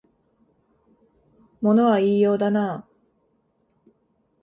物は言いようだなあ